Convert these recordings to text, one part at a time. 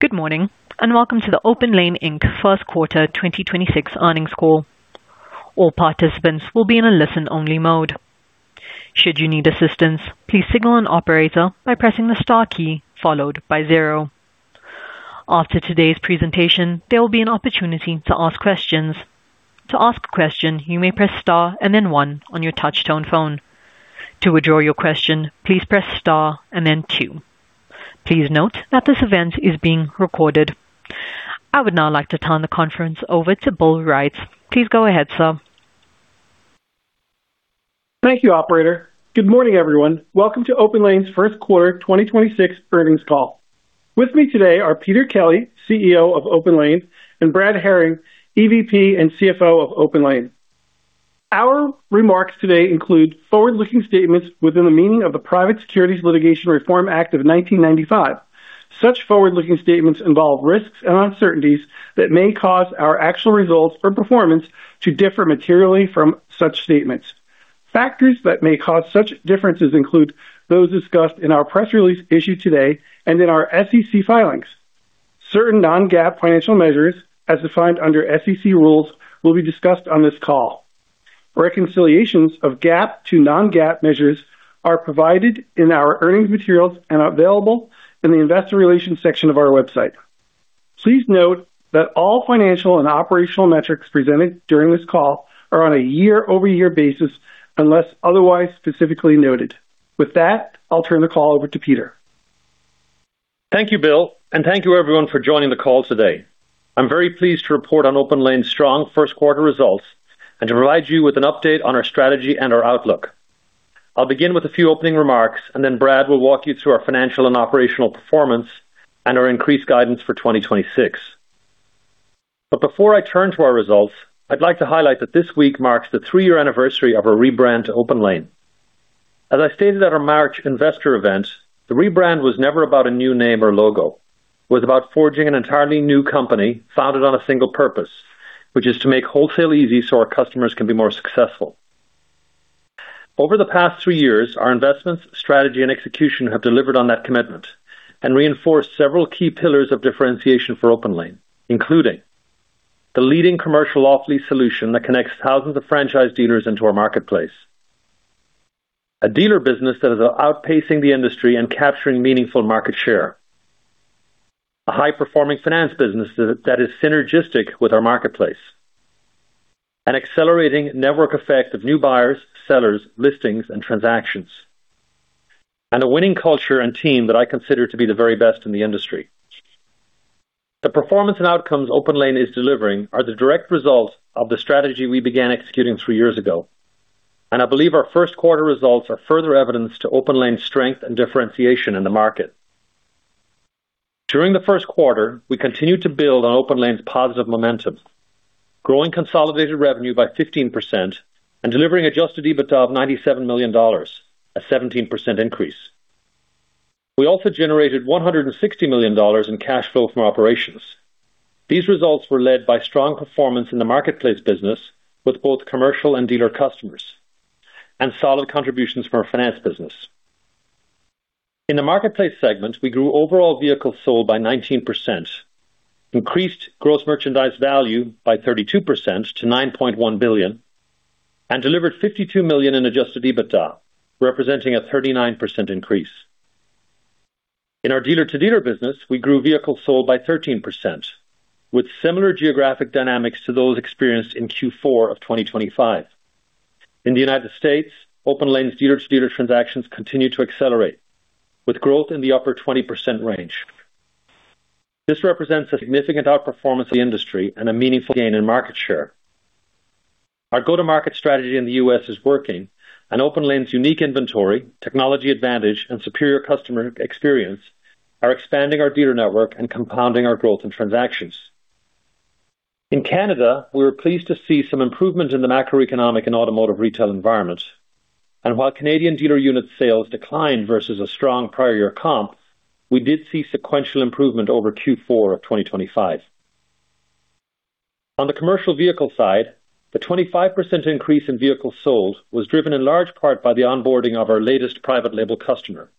Good morning, welcome to the OPENLANE, Inc. First Quarter 2026 Earnings Call. All participants will be on listen only mode. Should you need assistance, please signal an operator by pressing the star key followed by zero. After today's presentation, there will be an opportunity to ask questions. To ask question, you may press star and then one to your touch tone phone. To withdraw your question, please press star, and then Q. Please note that this event is being recorded. I would now like to turn the conference over to Bill Wright. Please go ahead, sir. Thank you, operator. Good morning, everyone. Welcome to OPENLANE's first quarter 2026 earnings call. With me today are Peter Kelly, CEO of OPENLANE, and Brad Herring, EVP and CFO of OPENLANE. Our remarks today include forward-looking statements within the meaning of the Private Securities Litigation Reform Act of 1995. Such forward-looking statements involve risks and uncertainties that may cause our actual results or performance to differ materially from such statements. Factors that may cause such differences include those discussed in our press release issued today and in our SEC filings. Certain non-GAAP financial measures, as defined under SEC rules, will be discussed on this call. Reconciliations of GAAP to non-GAAP measures are provided in our earnings materials and available in the investor relations section of our website. Please note that all financial and operational metrics presented during this call are on a year-over-year basis unless otherwise specifically noted. With that, I'll turn the call over to Peter. Thank you, Bill, and thank you everyone for joining the call today. I'm very pleased to report on OPENLANE's strong first quarter results and to provide you with an update on our strategy and our outlook. I'll begin with a few opening remarks. Brad will walk you through our financial and operational performance and our increased guidance for 2026. Before I turn to our results, I'd like to highlight that this week marks the three-year anniversary of our rebrand to OPENLANE. As I stated at our March Investor Events, the rebrand was never about a new name or logo. It was about forging an entirely new company founded on a single purpose, which is to make wholesale easy so our customers can be more successful. Over the past three years, our investments, strategy, and execution have delivered on that commitment and reinforced several key pillars of differentiation for OPENLANE, including the leading commercial off-lease solution that connects thousands of franchise dealers into our marketplace. A dealer business that is outpacing the industry and capturing meaningful market share. A high-performing finance business that is synergistic with our marketplace. An accelerating network effect of new buyers, sellers, listings, and transactions. A winning culture and team that I consider to be the very best in the industry. The performance and outcomes OPENLANE is delivering are the direct result of the strategy we began executing three years ago. I believe our first quarter results are further evidence to OPENLANE's strength and differentiation in the market. During the first quarter, we continued to build on OPENLANE's positive momentum, growing consolidated revenue by 15% and delivering adjusted EBITDA of $97 million, a 17% increase. We also generated $160 million in cash flow from operations. These results were led by strong performance in the marketplace business with both commercial and dealer customers and solid contributions from our finance business. In the marketplace segment, we grew overall vehicles sold by 19%, increased gross merchandise value by 32% to $9.1 billion, and delivered $52 million in adjusted EBITDA, representing a 39% increase. In our dealer-to-dealer business, we grew vehicles sold by 13% with similar geographic dynamics to those experienced in Q4 of 2025. In the United States, OPENLANE's dealer-to-dealer transactions continue to accelerate with growth in the upper 20% range. This represents a significant outperformance of the industry and a meaningful gain in market share. Our go-to-market strategy in the U.S. is working and OPENLANE's unique inventory, technology advantage, and superior customer experience are expanding our dealer network and compounding our growth in transactions. In Canada, we were pleased to see some improvement in the macroeconomic and automotive retail environment. While Canadian dealer unit sales declined versus a strong prior year comp, we did see sequential improvement over Q4 of 2025. On the commercial vehicle side, the 25% increase in vehicles sold was driven in large part by the onboarding of our latest private label customer.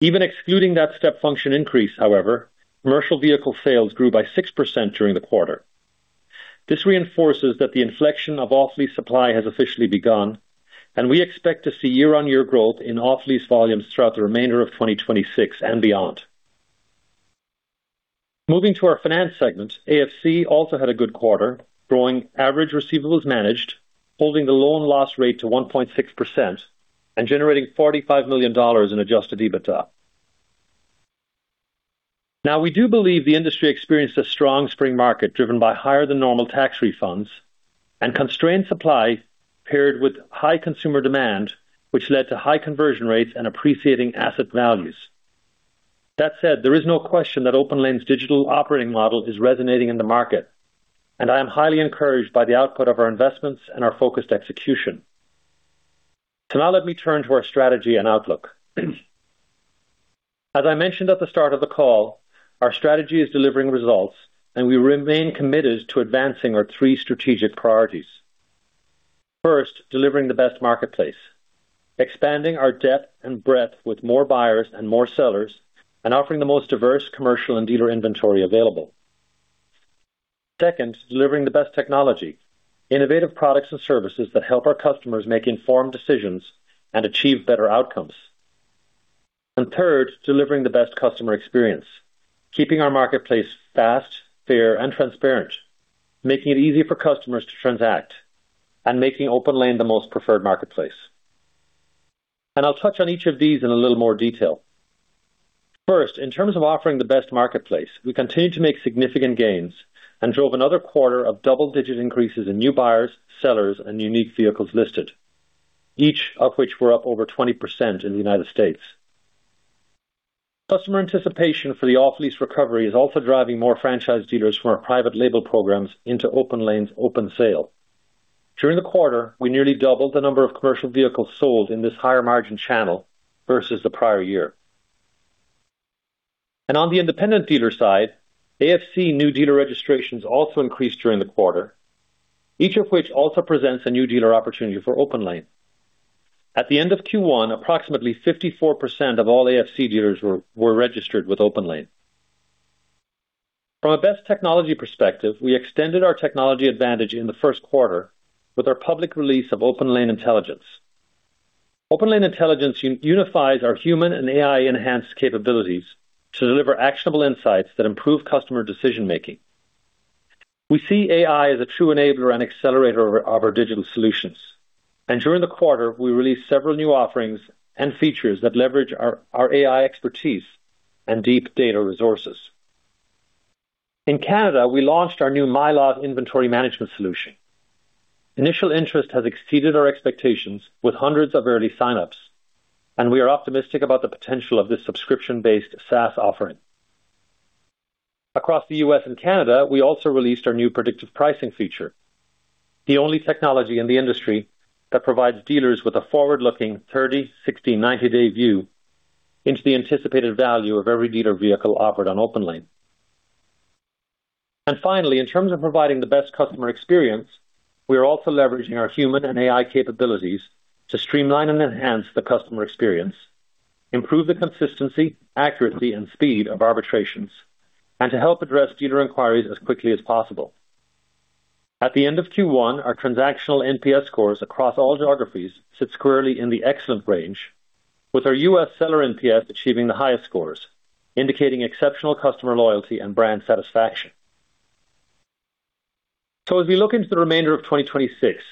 Even excluding that step function increase, however, commercial vehicle sales grew by 6% during the quarter. This reinforces that the inflection of off-lease supply has officially begun. We expect to see year-on-year growth in off-lease volumes throughout the remainder of 2026 and beyond. Moving to our finance segment, AFC also had a good quarter, growing average receivables managed, holding the loan loss rate to 1.6% and generating $45 million in adjusted EBITDA. We do believe the industry experienced a strong spring market driven by higher than normal tax refunds and constrained supply paired with high consumer demand, which led to high conversion rates and appreciating asset values. That said, there is no question that OPENLANE's digital operating model is resonating in the market. I am highly encouraged by the output of our investments and our focused execution. Now let me turn to our strategy and outlook. As I mentioned at the start of the call, our strategy is delivering results, and we remain committed to advancing our three strategic priorities. First, delivering the best marketplace, expanding our depth and breadth with more buyers and more sellers, and offering the most diverse commercial and dealer inventory available. Second, delivering the best technology, innovative products and services that help our customers make informed decisions and achieve better outcomes. Third, delivering the best customer experience. Keeping our marketplace fast, fair and transparent, making it easy for customers to transact, and making OPENLANE the most preferred marketplace. I'll touch on each of these in a little more detail. First, in terms of offering the best marketplace, we continue to make significant gains and drove another quarter of double-digit increases in new buyers, sellers, and unique vehicles listed, each of which were up over 20% in the United States Customer anticipation for the off-lease recovery is also driving more franchise dealers from our private label programs into OPENLANE's open sale. During the quarter, we nearly doubled the number of commercial vehicles sold in this higher margin channel versus the prior year. On the independent dealer side, AFC new dealer registrations also increased during the quarter, each of which also presents a new dealer opportunity for OPENLANE. At the end of Q1, approximately 54% of all AFC dealers were registered with OPENLANE. From a best technology perspective, we extended our technology advantage in the first quarter with our public release of OPENLANE Intelligence. OPENLANE Intelligence unifies our human and AI-enhanced capabilities to deliver actionable insights that improve customer decision-making. We see AI as a true enabler and accelerator of our digital solutions. During the quarter, we released several new offerings and features that leverage our AI expertise and deep data resources. In Canada, we launched our new MyLot inventory management solution. Initial interest has exceeded our expectations with hundreds of early signups. We are optimistic about the potential of this subscription-based SaaS offering. Across the U.S. and Canada, we also released our new predictive pricing feature, the only technology in the industry that provides dealers with a forward-looking 30, 60, 90-day view into the anticipated value of every dealer vehicle offered on OPENLANE. Finally, in terms of providing the best customer experience, we are also leveraging our human and AI capabilities to streamline and enhance the customer experience, improve the consistency, accuracy and speed of arbitrations, and to help address dealer inquiries as quickly as possible. At the end of Q1, our transactional NPS scores across all geographies sit squarely in the excellent range, with our U.S. seller NPS achieving the highest scores, indicating exceptional customer loyalty and brand satisfaction. As we look into the remainder of 2026,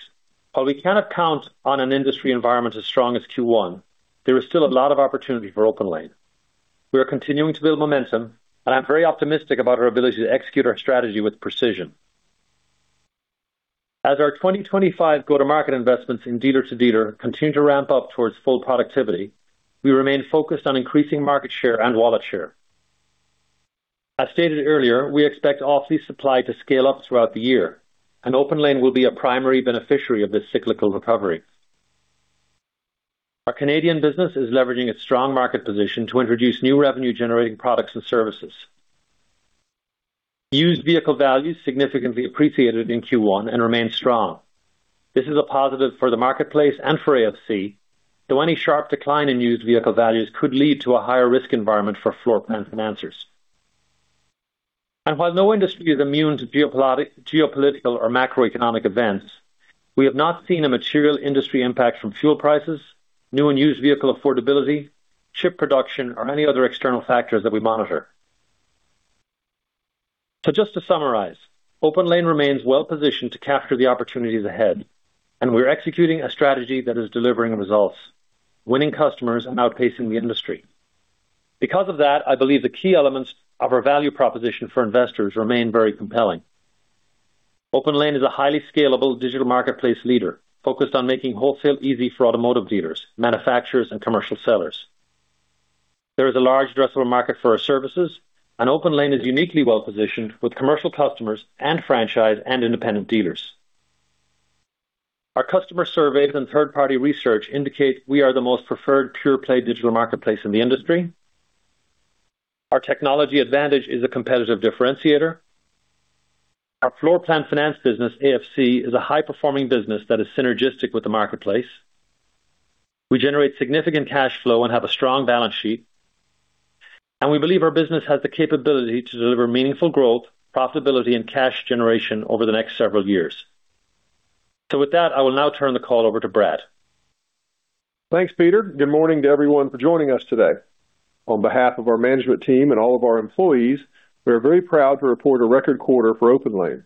while we cannot count on an industry environment as strong as Q1, there is still a lot of opportunity for OPENLANE. We are continuing to build momentum, and I'm very optimistic about our ability to execute our strategy with precision. As our 2025 go-to-market investments in dealer-to-dealer continue to ramp up towards full productivity, we remain focused on increasing market share and wallet share. As stated earlier, we expect off-lease supply to scale up throughout the year, and OPENLANE will be a primary beneficiary of this cyclical recovery. Our Canadian business is leveraging its strong market position to introduce new revenue-generating products and services. Used vehicle values significantly appreciated in Q1 and remain strong. This is a positive for the marketplace and for AFC, though any sharp decline in used vehicle values could lead to a higher risk environment for floorplan financers. While no industry is immune to geopolitical or macroeconomic events, we have not seen a material industry impact from fuel prices, new and used vehicle affordability, chip production, or any other external factors that we monitor. Just to summarize, OPENLANE remains well-positioned to capture the opportunities ahead, and we're executing a strategy that is delivering results, winning customers, and outpacing the industry. Because of that, I believe the key elements of our value proposition for investors remain very compelling. OPENLANE is a highly scalable digital marketplace leader focused on making wholesale easy for automotive dealers, manufacturers, and commercial sellers. There is a large addressable market for our services, and OPENLANE is uniquely well-positioned with commercial customers and franchise and independent dealers. Our customer surveys and third-party research indicate we are the most preferred pure-play digital marketplace in the industry. Our technology advantage is a competitive differentiator. Our floor plan finance business, AFC, is a high-performing business that is synergistic with the marketplace. We generate significant cash flow and have a strong balance sheet, and we believe our business has the capability to deliver meaningful growth, profitability and cash generation over the next several years. With that, I will now turn the call over to Brad. Thanks, Peter. Good morning to everyone for joining us today. On behalf of our management team and all of our employees, we are very proud to report a record quarter for OPENLANE.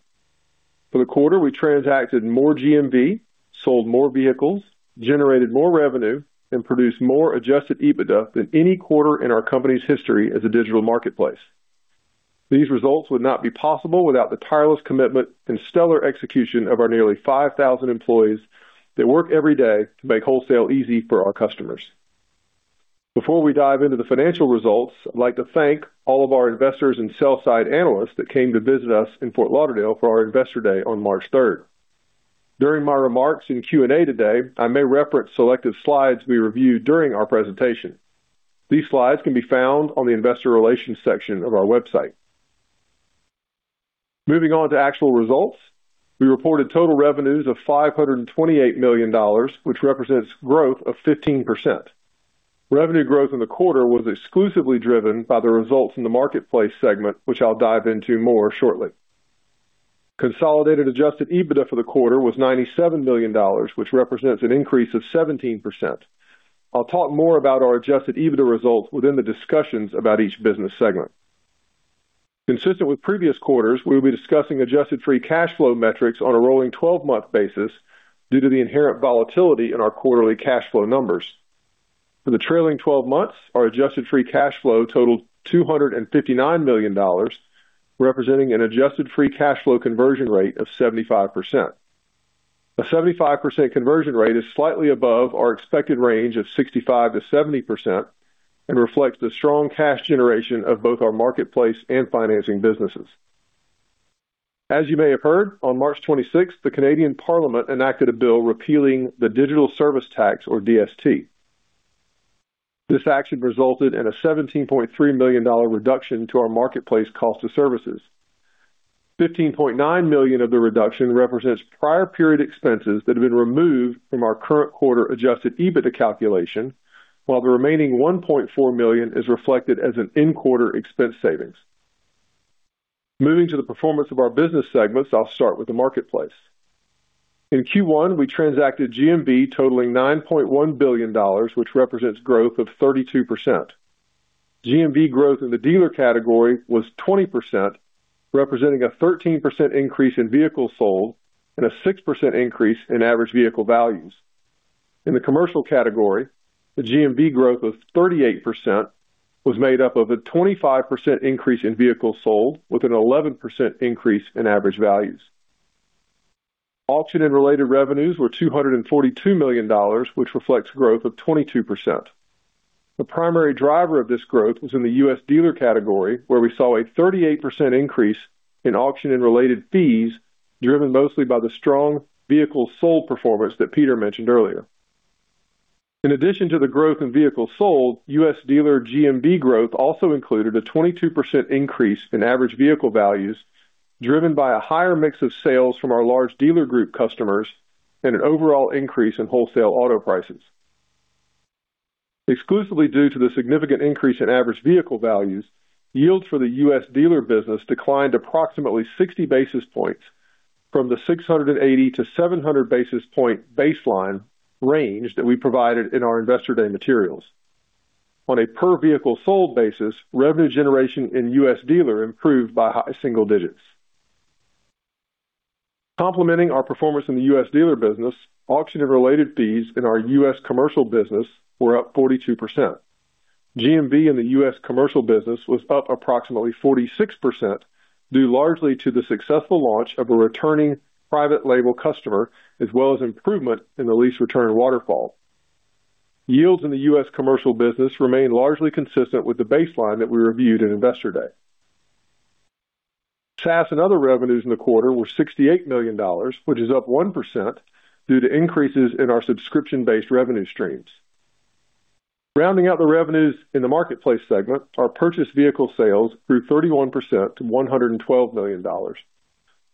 For the quarter, we transacted more GMV, sold more vehicles, generated more revenue, and produced more adjusted EBITDA than any quarter in our company's history as a digital marketplace. These results would not be possible without the tireless commitment and stellar execution of our nearly 5,000 employees that work every day to make wholesale easy for our customers. Before we dive into the financial results, I'd like to thank all of our investors and sell side analysts that came to visit us in Fort Lauderdale for our Investor Day on March 3rd. During my remarks in Q&A today, I may reference selected slides we reviewed during our presentation. These slides can be found on the Investor Relations section of our website. Moving on to actual results. We reported total revenues of $528 million, which represents growth of 15%. Revenue growth in the quarter was exclusively driven by the results in the marketplace segment, which I'll dive into more shortly. Consolidated adjusted EBITDA for the quarter was $97 million, which represents an increase of 17%. I'll talk more about our adjusted EBITDA results within the discussions about each business segment. Consistent with previous quarters, we'll be discussing adjusted free cash flow metrics on a rolling 12-month basis due to the inherent volatility in our quarterly cash flow numbers. For the trailing 12 months, our adjusted free cash flow totaled $259 million, representing an adjusted free cash flow conversion rate of 75%. A 75% conversion rate is slightly above our expected range of 65%-70% and reflects the strong cash generation of both our marketplace and financing businesses. As you may have heard, on March 26th, the Canadian Parliament enacted a bill repealing the digital service tax or DST. This action resulted in a $17.3 million reduction to our marketplace cost of services. $15.9 million of the reduction represents prior period expenses that have been removed from our current quarter adjusted EBITDA calculation, while the remaining $1.4 million is reflected as an in-quarter expense savings. Moving to the performance of our business segments, I'll start with the marketplace. In Q1, we transacted GMV totaling $9.1 billion, which represents growth of 32%. GMV growth in the dealer category was 20%, representing a 13% increase in vehicles sold and a 6% increase in average vehicle values. In the commercial category, the GMV growth of 38% was made up of a 25% increase in vehicles sold with an 11% increase in average values. Auction and related revenues were $242 million, which reflects growth of 22%. The primary driver of this growth was in the U.S. dealer category, where we saw a 38% increase in auction and related fees, driven mostly by the strong vehicle sold performance that Peter mentioned earlier. In addition to the growth in vehicles sold, U.S. dealer GMV growth also included a 22% increase in average vehicle values, driven by a higher mix of sales from our large dealer group customers and an overall increase in wholesale auto prices. Exclusively due to the significant increase in average vehicle values, yields for the U.S. dealer business declined approximately 60 basis points from the 680-700 basis point baseline range that we provided in our Investor Day materials. On a per-vehicle sold basis, revenue generation in U.S. dealer improved by high single digits. Complementing our performance in the U.S. dealer business, auction and related fees in our U.S. commercial business were up 42%. GMV in the U.S. commercial business was up approximately 46%, due largely to the successful launch of a returning private label customer as well as improvement in the lease return waterfall. Yields in the U.S. commercial business remain largely consistent with the baseline that we reviewed in Investor Day. SaaS and other revenues in the quarter were $68 million, which is up 1% due to increases in our subscription-based revenue streams. Rounding out the revenues in the marketplace segment, our purchased vehicle sales grew 31% to $112 million.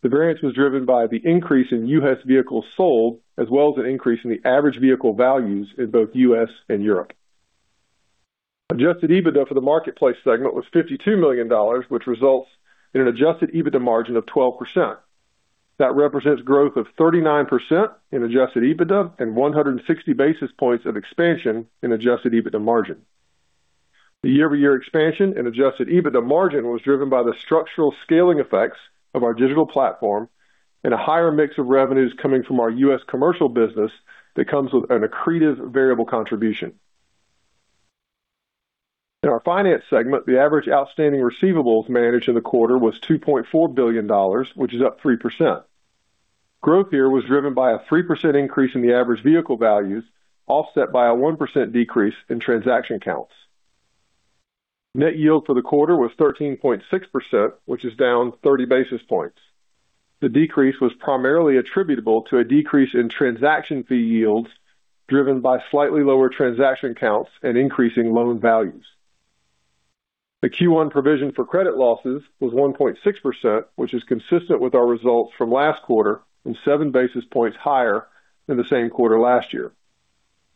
The variance was driven by the increase in U.S. vehicles sold, as well as an increase in the average vehicle values in both U.S. and Europe. Adjusted EBITDA for the marketplace segment was $52 million, which results in an adjusted EBITDA margin of 12%. That represents growth of 39% in adjusted EBITDA and 160 basis points of expansion in adjusted EBITDA margin. The year-over-year expansion in adjusted EBITDA margin was driven by the structural scaling effects of our digital platform and a higher mix of revenues coming from our U.S. commercial business that comes with an accretive variable contribution. In our finance segment, the average outstanding receivables managed in the quarter was $2.4 billion, which is up 3%. Growth here was driven by a 3% increase in the average vehicle values, offset by a 1% decrease in transaction counts. Net yield for the quarter was 13.6%, which is down 30 basis points. The decrease was primarily attributable to a decrease in transaction fee yields driven by slightly lower transaction counts and increasing loan values. The Q1 provision for credit losses was 1.6%, which is consistent with our results from last quarter and 7 basis points higher than the same quarter last year.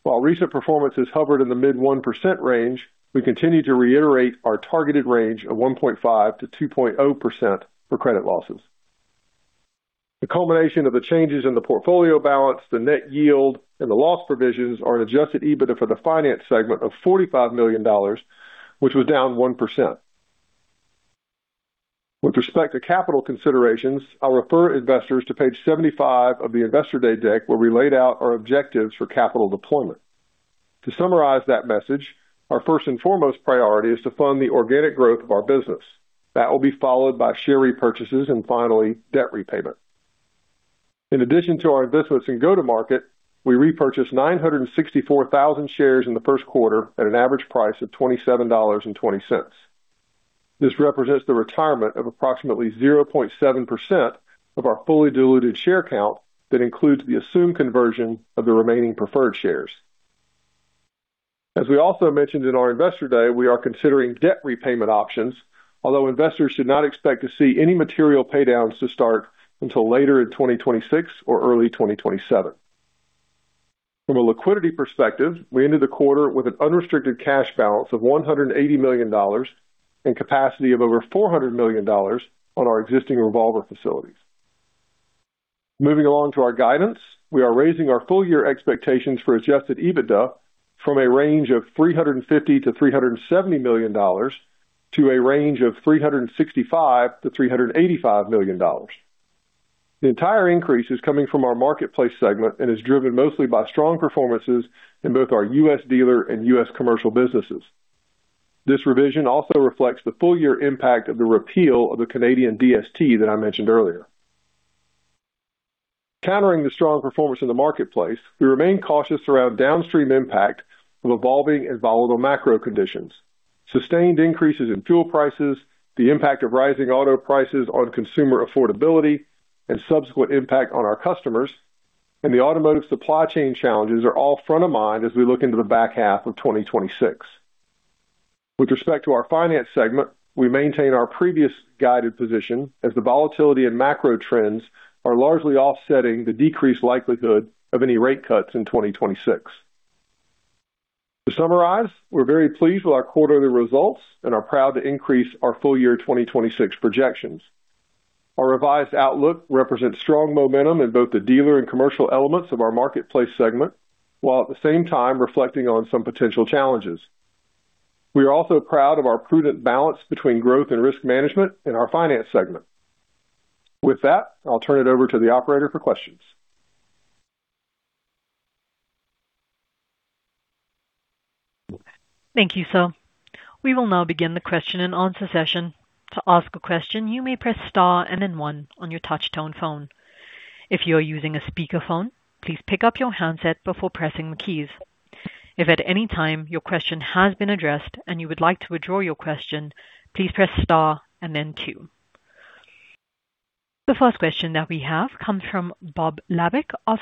While recent performance has hovered in the mid-1% range, we continue to reiterate our targeted range of 1.5%-2.0% for credit losses. The culmination of the changes in the portfolio balance, the net yield, and the loss provisions are an adjusted EBITDA for the finance segment of $45 million, which was down 1%. With respect to capital considerations, I'll refer investors to page 75 of the Investor Day deck, where we laid out our objectives for capital deployment. To summarize that message, our first and foremost priority is to fund the organic growth of our business. That will be followed by share repurchases and finally debt repayment. In addition to our investments in go-to-market, we repurchased 964,000 shares in the first quarter at an average price of $27.20. This represents the retirement of approximately 0.7% of our fully diluted share count that includes the assumed conversion of the remaining preferred shares. As we also mentioned in our Investor Day, we are considering debt repayment options. Investors should not expect to see any material pay downs to start until later in 2026 or early 2027. From a liquidity perspective, we ended the quarter with an unrestricted cash balance of $180 million and capacity of over $400 million on our existing revolver facilities. Moving along to our guidance, we are raising our full year expectations for adjusted EBITDA from a range of $350 million-$370 million to a range of $365 million-$385 million. The entire increase is coming from our marketplace segment and is driven mostly by strong performances in both our U.S. dealer and U.S. commercial businesses. This revision also reflects the full year impact of the repeal of the Canadian DST that I mentioned earlier. Countering the strong performance in the marketplace, we remain cautious around downstream impact of evolving and volatile macro conditions. Sustained increases in fuel prices, the impact of rising auto prices on consumer affordability and subsequent impact on our customers, and the automotive supply chain challenges are all front of mind as we look into the back half of 2026. With respect to our finance segment, we maintain our previous guided position as the volatility and macro trends are largely offsetting the decreased likelihood of any rate cuts in 2026. To summarize, we're very pleased with our quarterly results and are proud to increase our full year 2026 projections. Our revised outlook represents strong momentum in both the dealer and commercial elements of our marketplace segment, while at the same time reflecting on some potential challenges. We are also proud of our prudent balance between growth and risk management in our finance segment. With that, I'll turn it over to the operator for questions. Thank you, sir. We will now begin the question and answer session. To ask a question, you may press star and then one on your touch tone phone. If you are using a speakerphone, please pick up your handset before pressing the keys. If at any time your question has been addressed and you would like to withdraw your question, please press star and then two. The first question that we have comes from Bob Labick of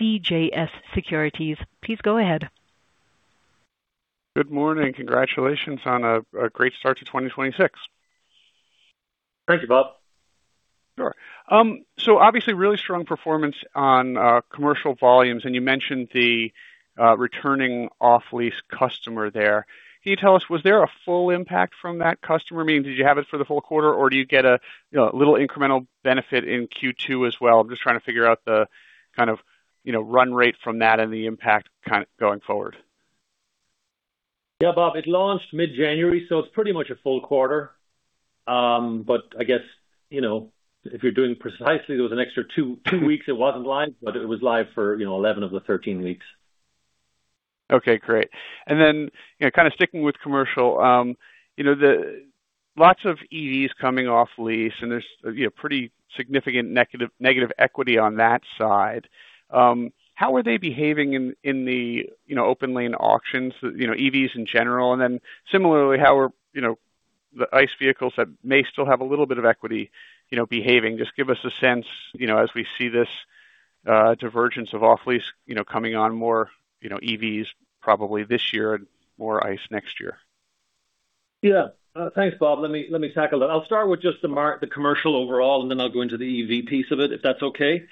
CJS Securities. Please go ahead. Good morning. Congratulations on a great start to 2026. Thank you, Bob. Sure. Obviously really strong performance on commercial volumes, and you mentioned the returning off-lease customer there. Can you tell us, was there a full impact from that customer? I mean, did you have it for the full quarter, or do you get a little incremental benefit in Q2 as well? I'm just trying to figure out the kind of run rate from that and the impact going forward. Yeah, Bob, it launched mid-January, so it's pretty much a full quarter. I guess, you know, if you're doing precisely, there was an extra two weeks it wasn't live, but it was live for, you know, 11 of the 13 weeks. Okay, great. Then, you know, kind of sticking with commercial, you know, lots of EVs coming off lease and there's, you know, pretty significant negative equity on that side. How are they behaving in the, you know, OPENLANE auctions, you know, EVs in general? Then similarly, how are, you know, the ICE vehicles that may still have a little bit of equity, you know, behaving? Just give us a sense, you know, as we see this divergence of off-lease, you know, coming on more, you know, EVs probably this year and more ICE next year. Yeah. Thanks, Bob. Let me tackle that. I'll start with just the commercial overall, and then I'll go into the EV piece of it, if that's okay.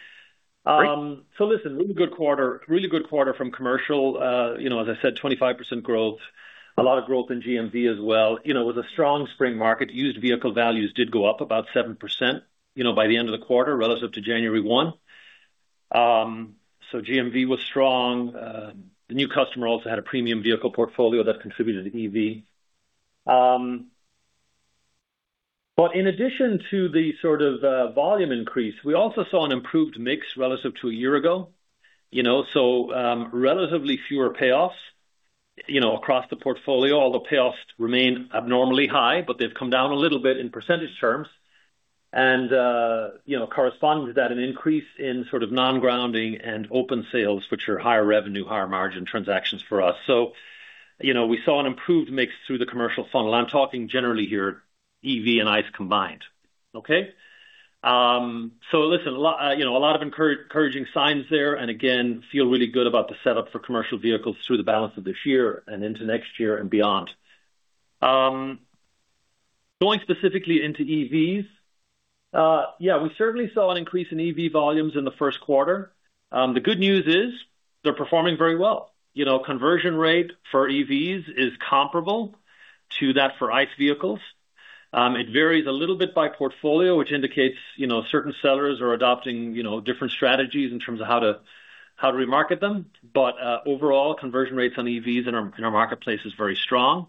Great. Listen, really good quarter from commercial. You know, as I said, 25% growth. A lot of growth in GMV as well. You know, it was a strong spring market. Used vehicle values did go up about 7%, you know, by the end of the quarter relative to January 1. GMV was strong. The new customer also had a premium vehicle portfolio that contributed to EV. In addition to the sort of, volume increase, we also saw an improved mix relative to a year ago. You know, so, relatively fewer payoffs, you know, across the portfolio. Although payoffs remain abnormally high, but they've come down a little bit in percentage terms. You know, corresponding to that, an increase in sort of non-grounding and open sales, which are higher revenue, higher margin transactions for us. You know, we saw an improved mix through the commercial funnel. I'm talking generally here, EV and ICE combined. Okay. Listen, you know, a lot of encouraging signs there, and again, feel really good about the setup for commercial vehicles through the balance of this year and into next year and beyond. Going specifically into EVs, yeah, we certainly saw an increase in EV volumes in the first quarter. The good news is they're performing very well. You know, conversion rate for EVs is comparable to that for ICE vehicles. It varies a little bit by portfolio, which indicates, you know, certain sellers are adopting, you know, different strategies in terms of how to remarket them. Overall, conversion rates on EVs in our marketplace is very strong.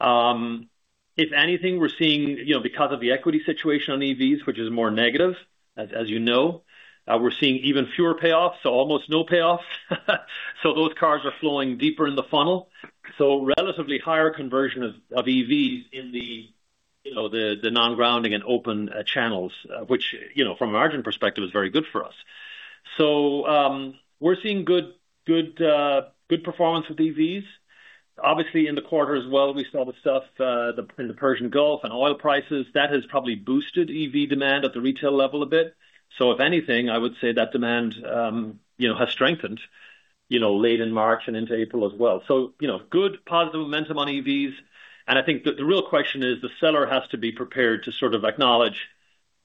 If anything, we're seeing, you know, because of the equity situation on EVs, which is more negative, as you know, we're seeing even fewer payoffs, so almost no payoffs. Those cars are flowing deeper in the funnel. Relatively higher conversion of EVs in the, you know, the non-grounding and open channels, which, you know, from a margin perspective is very good for us. We're seeing good performance with EVs. Obviously, in the quarter as well, we saw the stuff in the Persian Gulf and oil prices. That has probably boosted EV demand at the retail level a bit. If anything, I would say that demand, you know, has strengthened, you know, late in March and into April as well. You know, good positive momentum on EVs. I think the real question is the seller has to be prepared to sort of acknowledge,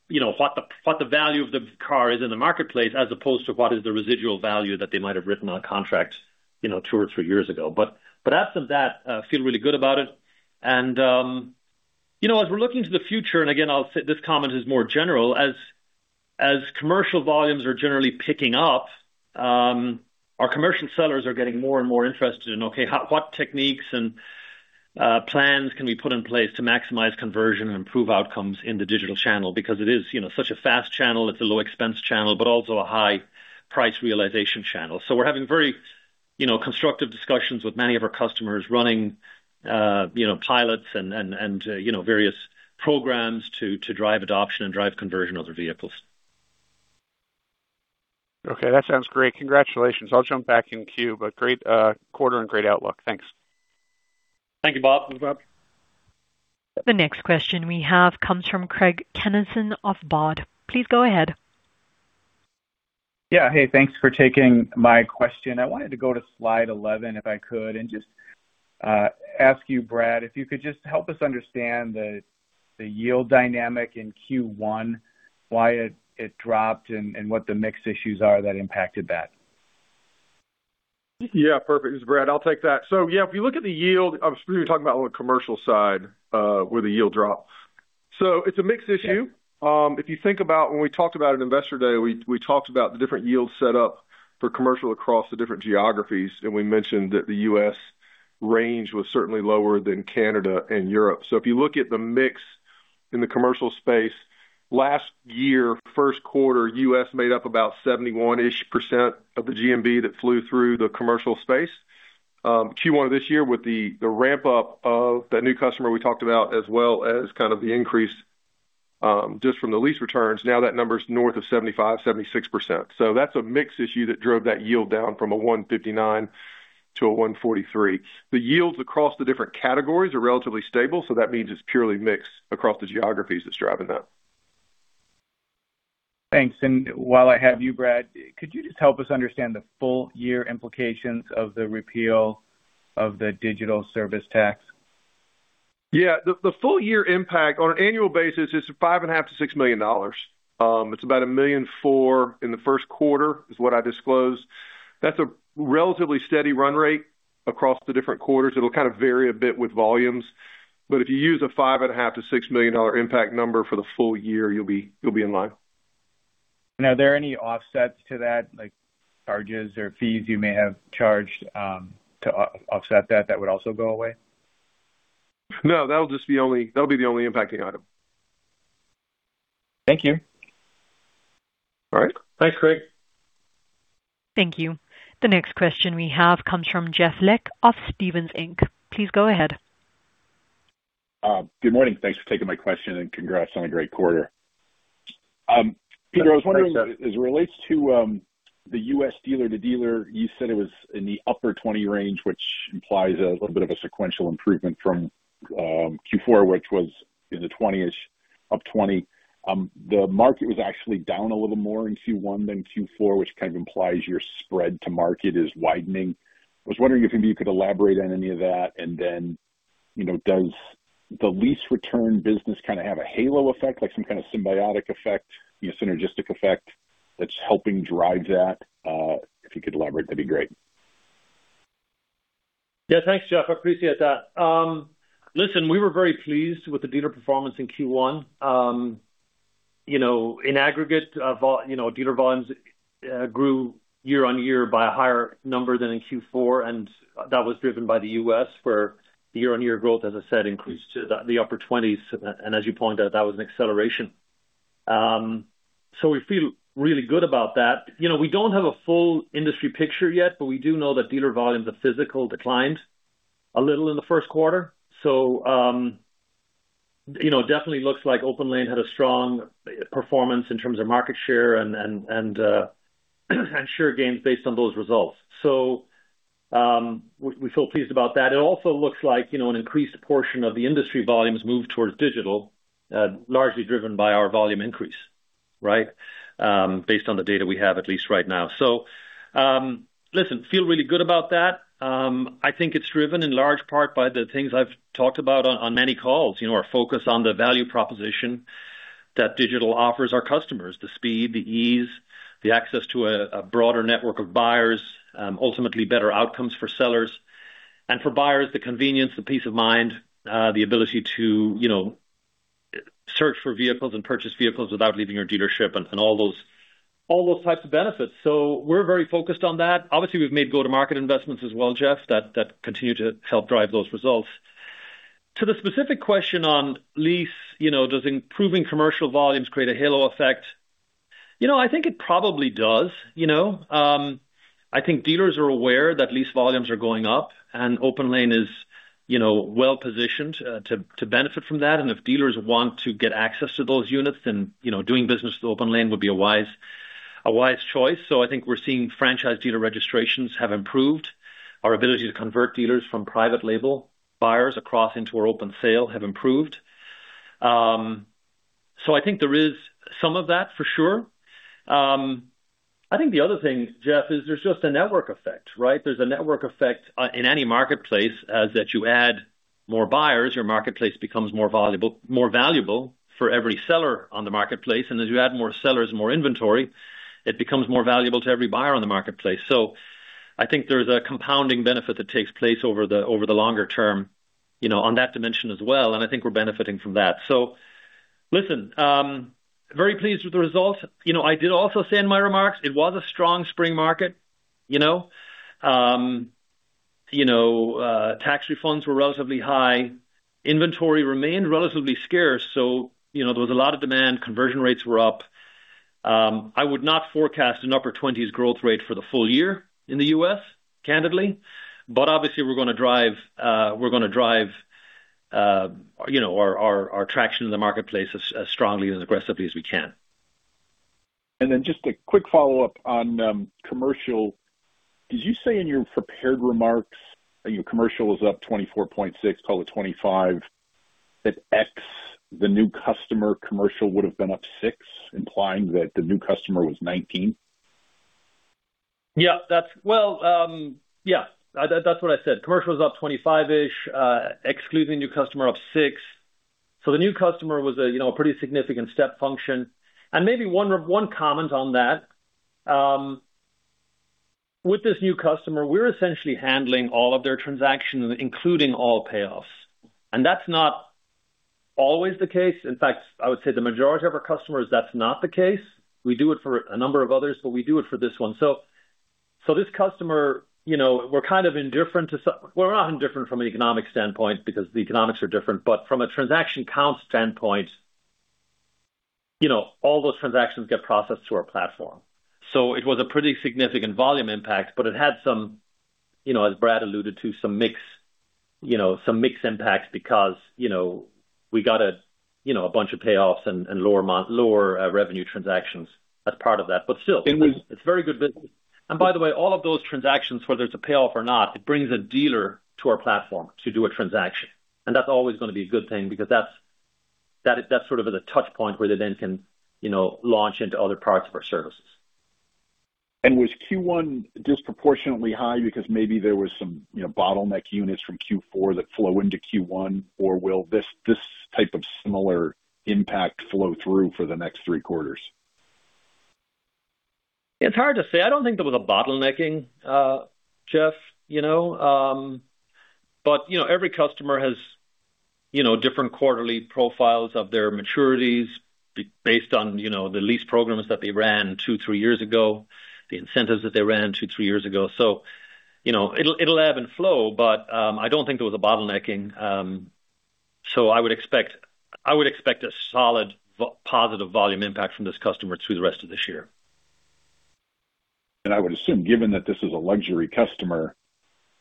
you know, what the value of the car is in the marketplace, as opposed to what is the residual value that they might have written on a contract, you know, two or three years ago. But absent that, feel really good about it. You know, as we're looking to the future, and again, I'll say this comment is more general, as commercial volumes are generally picking up, our commercial sellers are getting more and more interested in, okay, what techniques and plans can we put in place to maximize conversion and improve outcomes in the digital channel? Because it is, you know, such a fast channel, it's a low expense channel, but also a high price realization channel. We're having very, you know, constructive discussions with many of our customers running, you know, pilots and, you know, various programs to drive adoption and drive conversion of their vehicles. Okay. That sounds great. Congratulations. I'll jump back in queue, but great quarter and great outlook. Thanks. Thank you, Bob. The next question we have comes from Craig Kennison of Baird. Please go ahead. Yeah. Hey, thanks for taking my question. I wanted to go to slide 11, if I could, just ask you, Brad, if you could just help us understand the yield dynamic in Q1, why it dropped and what the mix issues are that impacted that. Yeah, perfect. This is Brad, I'll take that. Yeah, if you look at the yield, I'm assuming you're talking about on the commercial side, where the yield dropped. It's a mix issue. Yeah. If you think about when we talked about at Investor Day, we talked about the different yield setup for commercial across the different geographies. We mentioned that the U.S. range was certainly lower than Canada and Europe. If you look at the mix in the commercial space, last year, first quarter, U.S. made up about 71%-ish of the GMV that flew through the commercial space. Q1 of this year, with the ramp-up of that new customer we talked about, as well as kind of the increase just from the lease returns, now that number's north of 75%, 76%. That's a mix issue that drove that yield down from a 159 to a 143. The yields across the different categories are relatively stable. That means it's purely mix across the geographies that's driving that. Thanks. While I have you, Brad, could you just help us understand the full year implications of the repeal of the digital service tax? Yeah. The full year impact on an annual basis is $5.5 million-$6 million. It's about $1.4 million in the first quarter, is what I disclosed. That's a relatively steady run rate across the different quarters. It'll kind of vary a bit with volumes. If you use a $5.5 million-$6 million impact number for the full year, you'll be in line. Are there any offsets to that, like charges or fees you may have charged, to offset that would also go away? No, that'll be the only impacting item. Thank you. All right. Thanks, Craig. Thank you. The next question we have comes from Jeff Lick of Stephens Inc. Please go ahead. Good morning. Thanks for taking my question, and congrats on a great quarter. Thanks, Jeff I was wondering, as it relates to the U.S. dealer-to-dealer, you said it was in the upper 20 range, which implies a bit of a sequential improvement from Q4, which was in the 20-ish of 20. The market was actually down a little more in Q1 than Q4, which kind of implies your spread to market is widening. I was wondering if maybe you could elaborate on any of that. You know, does the lease return business kinda have a halo effect, like some kinda symbiotic effect, you know, synergistic effect that's helping drive that? If you could elaborate, that'd be great. Yeah. Thanks, Jeff. I appreciate that. Listen, we were very pleased with the dealer performance in Q1. You know, in aggregate, you know, dealer volumes grew year-over-year by a higher number than in Q4, and that was driven by the U.S., where year-over-year growth, as I said, increased to the upper 20s. As you pointed out, that was an acceleration. We feel really good about that. You know, we don't have a full industry picture yet, but we do know that dealer volumes of physical declined a little in the first quarter. You know, definitely looks like OPENLANE had a strong performance in terms of market share and share gains based on those results. We feel pleased about that. It also looks like, you know, an increased portion of the industry volumes moved towards digital, largely driven by our volume increase, right? Based on the data we have, at least right now, listen, feel really good about that. I think it's driven in large part by the things I've talked about on many calls. You know, our focus on the value proposition that digital offers our customers. The speed, the ease, the access to a broader network of buyers, ultimately better outcomes for sellers. For buyers, the convenience, the peace of mind, the ability to, you know, search for vehicles and purchase vehicles without leaving your dealership and all those types of benefits. We're very focused on that. Obviously, we've made go-to-market investments as well, Jeff, that continue to help drive those results. To the specific question on lease, you know, does improving commercial volumes create a halo effect? You know, I think it probably does, you know. I think dealers are aware that lease volumes are going up, and OPENLANE is, you know, well-positioned to benefit from that. If dealers want to get access to those units, then, you know, doing business with OPENLANE would be a wise choice. I think we're seeing franchise dealer registrations have improved. Our ability to convert dealers from private label buyers across into our open sale have improved. I think there is some of that for sure. I think the other thing, Jeff, is there's just a network effect, right? There's a network effect in any marketplace, as that you add more buyers, your marketplace becomes more valuable for every seller on the marketplace. As you add more sellers, more inventory, it becomes more valuable to every buyer on the marketplace. I think there's a compounding benefit that takes place over the longer term, you know, on that dimension as well, and I think we're benefiting from that. Listen, very pleased with the results. You know, I did also say in my remarks, it was a strong spring market, you know. You know, tax refunds were relatively high. Inventory remained relatively scarce, you know, there was a lot of demand. Conversion rates were up. I would not forecast an upper 20s growth rate for the full year in the U.S., candidly. Obviously we're gonna drive, you know, our traction in the marketplace as strongly and as aggressively as we can. Just a quick follow-up on commercial. Did you say in your prepared remarks that your commercial was up 24.6%, call it 25%, that ex the new customer commercial would've been up 6%, implying that the new customer was 19%? Yeah, that's Well, yeah, that's what I said. Commercial was up 25%-ish, excluding new customer of six. The new customer was a, you know, a pretty significant step function. Maybe one comment on that. With this new customer, we're essentially handling all of their transactions, including all payoffs. That's not always the case. In fact, I would say the majority of our customers, that's not the case. We do it for a number of others, but we do it for this one. This customer, you know, we're kind of indifferent, we're not indifferent from an economic standpoint because the economics are different, but from a transaction count standpoint, you know, all those transactions get processed through our platform. It was a pretty significant volume impact, but it had some, you know, as Brad alluded to, some mix, you know, some mix impacts because, you know, we got a, you know, a bunch of payoffs and lower revenue transactions as part of that. And was- It's very good business. By the way, all of those transactions, whether it's a payoff or not, it brings a dealer to our platform to do a transaction. That's always gonna be a good thing because that's sort of at a touch point where they then can, you know, launch into other parts of our services. Was Q1 disproportionately high because maybe there was some, you know, bottleneck units from Q4 that flow into Q1, or will this type of similar impact flow through for the next three quarters? It's hard to say. I don't think there was a bottlenecking, Jeff, you know, but, you know, every customer has, you know, different quarterly profiles of their maturities based on, you know, the lease programs that they ran two, three years ago, the incentives that they ran two, three years ago. You know, it'll ebb and flow, but I don't think there was a bottlenecking. I would expect a solid positive volume impact from this customer through the rest of this year. I would assume, given that this is a luxury customer,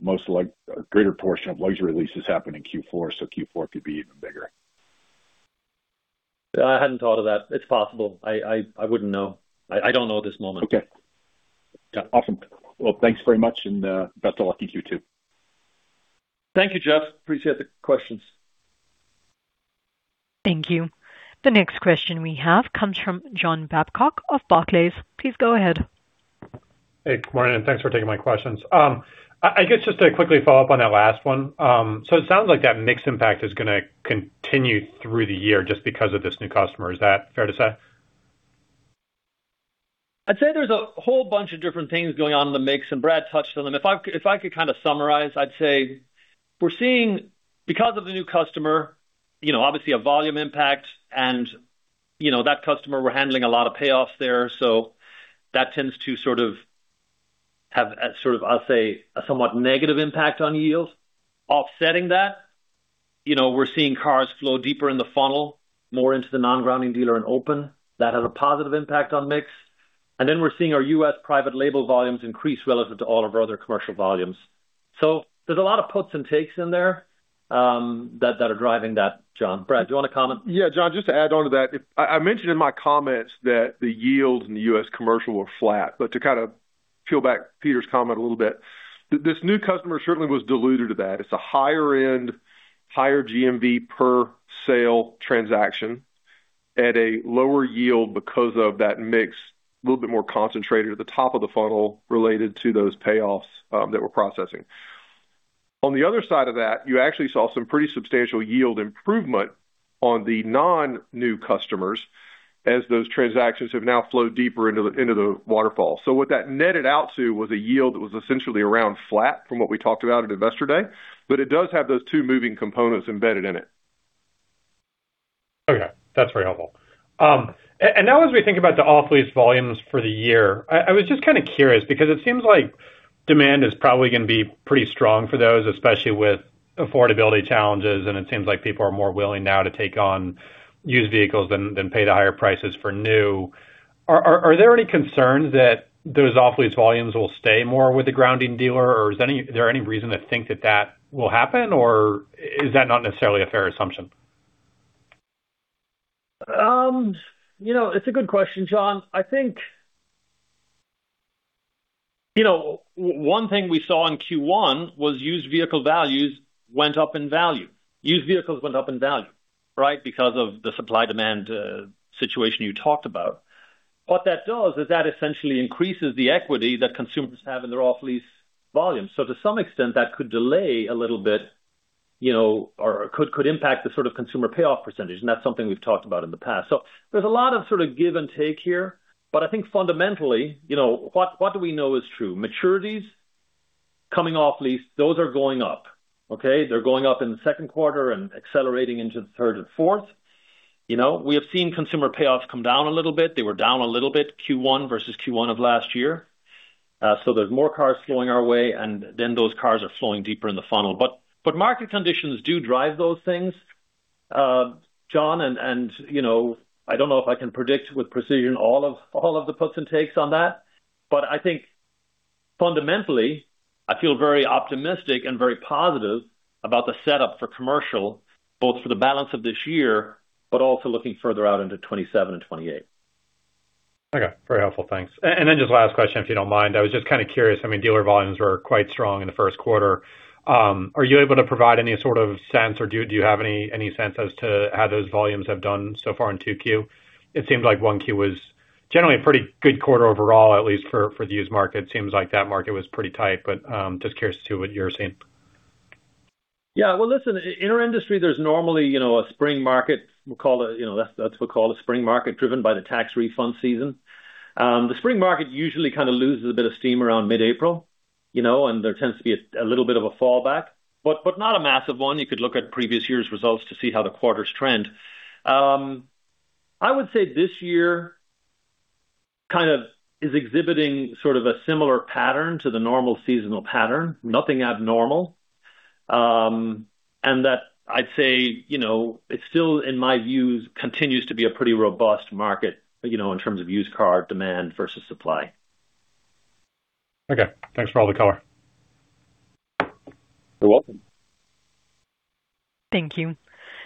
most like a greater portion of luxury leases happen in Q4. Q4 could be even bigger. I hadn't thought of that. It's possible. I wouldn't know. I don't know at this moment. Okay. Yeah. Awesome. Well, thanks very much, and best of luck to you two. Thank you, Jeff. Appreciate the questions. Thank you. The next question we have comes from John Babcock of Barclays. Please go ahead. Good morning, and thanks for taking my questions. I guess just to quickly follow up on that last one. It sounds like that mix impact is gonna continue through the year just because of this new customer. Is that fair to say? I'd say there's a whole bunch of different things going on in the mix, and Brad touched on them. I'd say we're seeing, because of the new customer, you know, obviously a volume impact and, you know, that customer, we're handling a lot of payoffs there. That tends to sort of have a sort of, I'll say, a somewhat negative impact on yields. Offsetting that, you know, we're seeing cars flow deeper in the funnel, more into the non-grounding dealer and open. That has a positive impact on mix. Then we're seeing our U.S. private label volumes increase relative to all of our other commercial volumes. There's a lot of puts and takes in there that are driving that, John. Brad, do you wanna comment? Yeah, John, just to add on to that. I mentioned in my comments that the yields in the U.S. commercial were flat. To kinda peel back Peter's comment a little bit, this new customer certainly was dilutive to that. It's a higher end, higher GMV per sale transaction at a lower yield because of that mix, a little bit more concentrated at the top of the funnel related to those payoffs that we're processing. On the other side of that, you actually saw some pretty substantial yield improvement on the non-new customers as those transactions have now flowed deeper into the waterfall. What that netted out to was a yield that was essentially around flat from what we talked about at Investor Day, but it does have those two moving components embedded in it. Okay. That's very helpful. Now as we think about the off-lease volumes for the year, I was just kinda curious because it seems like demand is probably gonna be pretty strong for those, especially with affordability challenges, and it seems like people are more willing now to take on used vehicles than pay the higher prices for new. Are there any concerns that those off-lease volumes will stay more with the grounding dealer, or is there any reason to think that that will happen, or is that not necessarily a fair assumption? You know, it's a good question, John. I think, you know, one thing we saw in Q1 was used vehicle values went up in value. Used vehicles went up in value, right? Because of the supply-demand situation you talked about. What that does is that essentially increases the equity that consumers have in their off-lease volume. To some extent, that could delay a little bit, you know, or could impact the sort of consumer payoff percentage, and that's something we've talked about in the past. There's a lot of sort of give and take here. I think fundamentally, you know, what do we know is true? Maturities coming off lease, those are going up, okay? They're going up in the second quarter and accelerating into the third and fourth. You know, we have seen consumer payoffs come down a little bit. They were down a little bit Q1 versus Q1 of last year. There's more cars flowing our way, and then those cars are flowing deeper in the funnel. Market conditions do drive those things, John, you know, I don't know if I can predict with precision all of the puts and takes on that. I think fundamentally, I feel very optimistic and very positive about the setup for commercial, both for the balance of this year, but also looking further out into 2027 and 2028. Okay. Very helpful. Thanks. Just last question, if you don't mind. I was just kinda curious, I mean, dealer volumes were quite strong in the first quarter. Are you able to provide any sort of sense or do you have any sense as to how those volumes have done so far in 2Q? It seems like 1Q was generally a pretty good quarter overall, at least for the used market. Seems like that market was pretty tight, but just curious to what you're seeing. Yeah. Well, listen, in our industry, there's normally, you know, a spring market. We call it, you know, that's what we call a spring market driven by the tax refund season. The spring market usually kinda loses a bit of steam around mid-April, you know, and there tends to be a little bit of a fallback, but not a massive one. You could look at previous years' results to see how the quarters trend. I would say this year kind of is exhibiting sort of a similar pattern to the normal seasonal pattern, nothing abnormal. That I'd say, you know, it's still, in my view, continues to be a pretty robust market, you know, in terms of used car demand versus supply. Okay. Thanks for all the color. You're welcome. Thank you.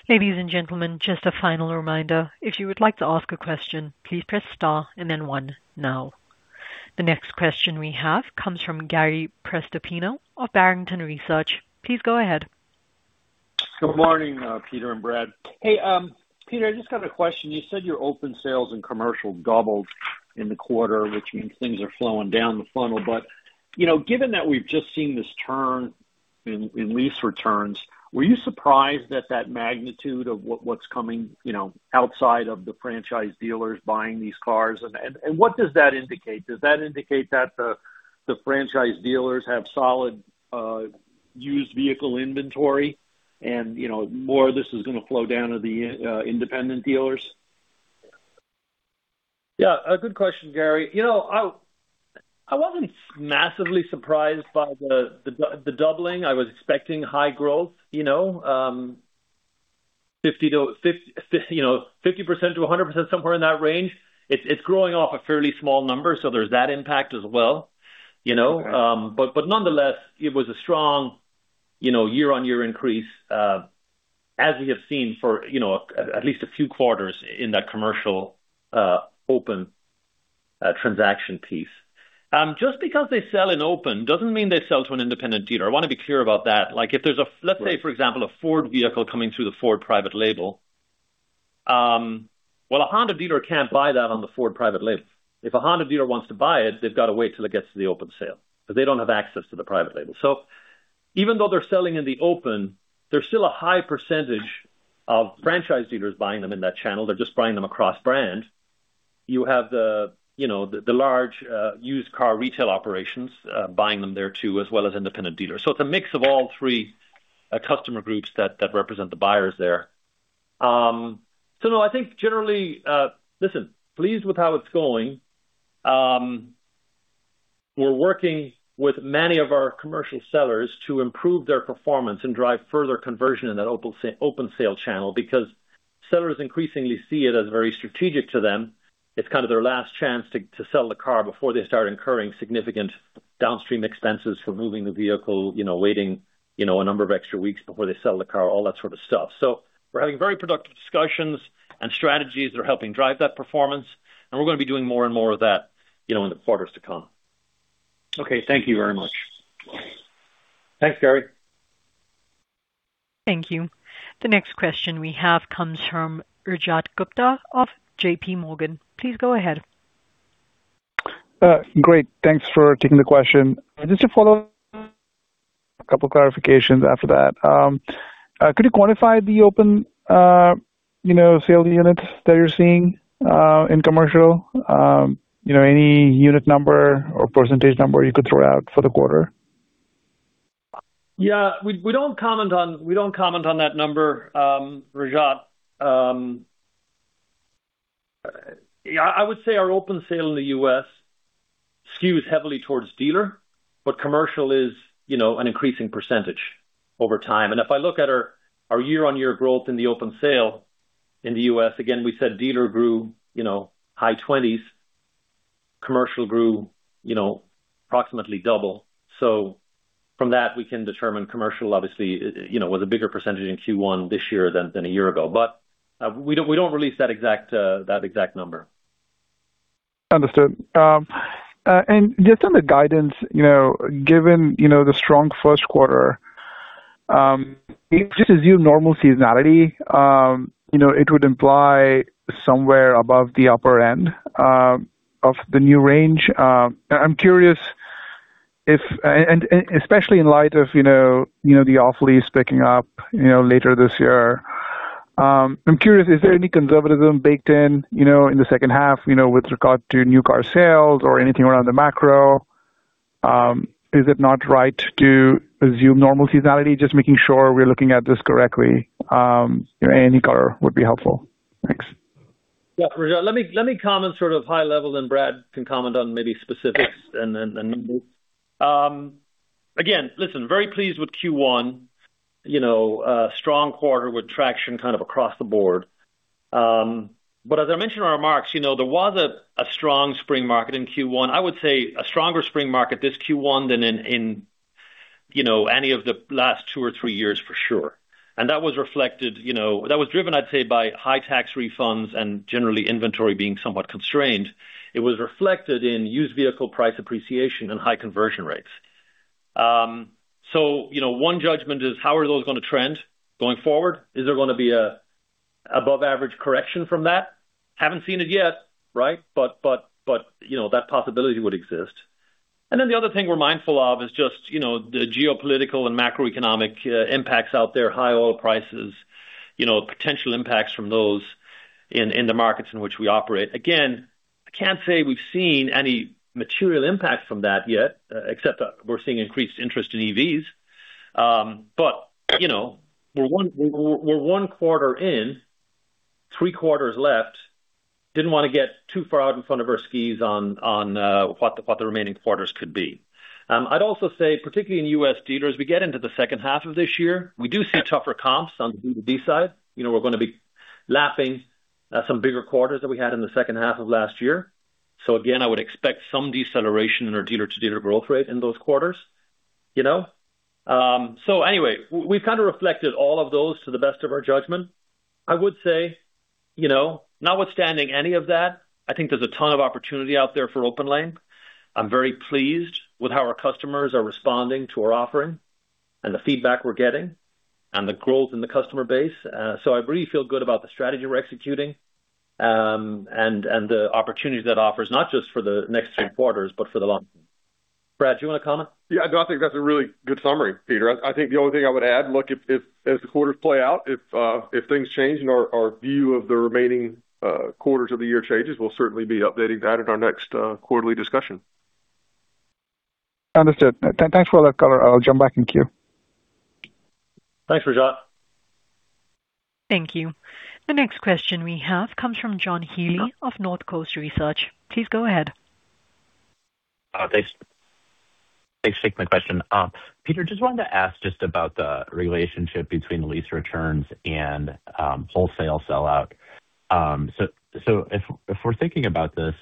Ladies and gentlemen, just a final reminder. If you would like to ask a question, please press star and then one now. The next question we have comes from Gary Prestopino of Barrington Research. Please go ahead. Good morning, Peter and Brad. Hey, Peter, I just got a question. You said your open sales and commercial doubled in the quarter, which means things are flowing down the funnel. You know, given that we've just seen this turn in lease returns, were you surprised at that magnitude of what's coming, you know, outside of the franchise dealers buying these cars? What does that indicate? Does that indicate that the franchise dealers have solid used vehicle inventory and, you know, more of this is gonna flow down to the independent dealers? A good question, Gary. You know, I wasn't massively surprised by the doubling. I was expecting high growth, you know. 50%-100%, somewhere in that range. It's growing off a fairly small number, so there's that impact as well, you know. Okay. Nonetheless, it was a strong, you know, year on year increase, as we have seen for, you know, at least a few quarters in that commercial, OPENLANE, transaction piece. Just because they sell in OPENLANE doesn't mean they sell to an independent dealer. I wanna be clear about that. Right. Let's say, for example, a Ford vehicle coming through the Ford private label. Well, a Honda dealer can't buy that on the Ford private label. If a Honda dealer wants to buy it, they've got to wait till it gets to the open sale, because they don't have access to the private label. Even though they're selling in the open, there's still a high percentage of franchise dealers buying them in that channel. They're just buying them across brand. You have the, you know, the large used car retail operations buying them there too, as well as independent dealers. It's a mix of all three customer groups that represent the buyers there. No, I think generally, listen, pleased with how it's going. We're working with many of our commercial sellers to improve their performance and drive further conversion in that open sale channel because sellers increasingly see it as very strategic to them. It's kind of their last chance to sell the car before they start incurring significant downstream expenses for moving the vehicle, you know, waiting, you know, a number of extra weeks before they sell the car, all that sort of stuff. We're having very productive discussions and strategies that are helping drive that performance, and we're gonna be doing more and more of that, you know, in the quarters to come. Okay. Thank you very much. Thanks, Gary. Thank you. The next question we have comes from Rajat Gupta of JPMorgan. Please go ahead. Great. Thanks for taking the question. Just to follow, a couple clarifications after that. Could you quantify the OPENLANE, you know, sale units that you're seeing in commercial? You know, any unit number or percentage number you could throw out for the quarter? Yeah. We don't comment on that number, Rajat. Yeah, I would say our open sale in the U.S. skews heavily towards dealer, but commercial is, you know, an increasing percentage over time. If I look at our year-over-year growth in the open sale in the U.S., again, we said dealer grew, you know, high 20s. Commercial grew, you know, approximately double. From that we can determine commercial obviously, you know, was a bigger percentage in Q1 this year than a year ago. We don't release that exact, that exact number. Understood. Just on the guidance, given the strong first quarter, if we just assume normal seasonality, it would imply somewhere above the upper end of the new range. I'm curious if and especially in light of the off-lease picking up later this year, I'm curious, is there any conservatism baked in in the second half with regard to new car sales or anything around the macro? Is it not right to assume normal seasonality? Just making sure we're looking at this correctly. Any color would be helpful. Thanks. Let me comment sort of high level. Brad can comment on maybe specifics and then the numbers. Again, listen, very pleased with Q1. You know, a strong quarter with traction kind of across the board. As I mentioned in our remarks, you know, there was a strong spring market in Q1. I would say a stronger spring market this Q1 than in, you know, any of the last two or three years for sure. That was reflected, you know, that was driven, I'd say, by high tax refunds and generally inventory being somewhat constrained. It was reflected in used vehicle price appreciation and high conversion rates. You know, one judgment is how are those gonna trend going forward? Is there gonna be a above average correction from that? Haven't seen it yet, right? You know, that possibility would exist. The other thing we're mindful of is just, you know, the geopolitical and macroeconomic impacts out there, high oil prices, you know, potential impacts from those in the markets in which we operate. Again, I can't say we've seen any material impact from that yet, except that we're seeing increased interest in EVs. You know, we're one quarter in, three quarters left. Didn't wanna get too far out in front of our skis on what the remaining quarters could be. I'd also say, particularly in U.S. dealers, we get into the second half of this year, we do see tougher comps on the new D side. You know, we're gonna be lapping some bigger quarters that we had in the second half of last year. Again, I would expect some deceleration in our dealer to dealer growth rate in those quarters, you know. Anyway, we've kind of reflected all of those to the best of our judgment. I would say, you know, notwithstanding any of that, I think there's a ton of opportunity out there for OPENLANE. I'm very pleased with how our customers are responding to our offering and the feedback we're getting and the growth in the customer base. I really feel good about the strategy we're executing, and the opportunities that offers, not just for the next three quarters, but for the long term. Brad, do you wanna comment? Yeah. No, I think that's a really good summary, Peter. I think the only thing I would add, look, if, as the quarters play out, if things change and our view of the remaining quarters of the year changes, we'll certainly be updating that in our next quarterly discussion. Understood. Thanks for all that color. I'll jump back in queue. Thanks, Rajat. Thank you. The next question we have comes from John Healy of Northcoast Research. Please go ahead. Thanks. Thanks for taking my question. Peter, just wanted to ask just about the relationship between lease returns and wholesale sellout. If we're thinking about this,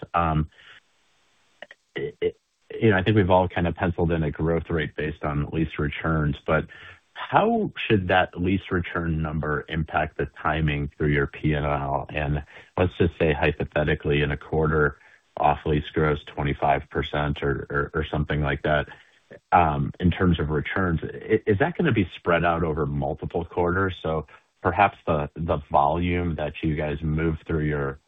you know, I think we've all kind of penciled in a growth rate based on lease returns, but how should that lease return number impact the timing through your P&L? Let's just say hypothetically in a quarter off-lease grows 25% or something like that, in terms of returns, is that gonna be spread out over multiple quarters? Perhaps the volume that you guys move through your